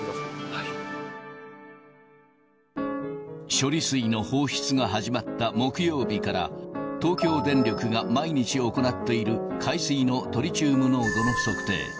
処理水の放出が始まった木曜日から、東京電力が毎日行っている海水のトリチウム濃度の測定。